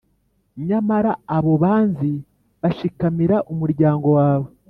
Nyamara, abo banzi bashikamira umuryango wawe,